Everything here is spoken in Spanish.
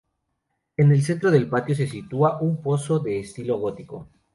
En el centro del patio, se sitúa un pozo de estilo gótico.